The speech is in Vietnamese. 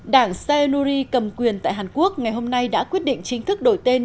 đảng sae nuri cầm quyền tại hàn quốc ngày hôm nay đã quyết định chính thức đổi tên